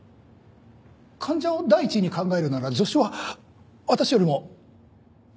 患者を第一に考えるなら助手は私よりも。